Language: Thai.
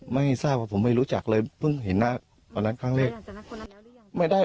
ไม่ทราบว่าผมไม่รู้จักเลยเพิ่งเห็นหน้าตอนนั้นครั้งแรก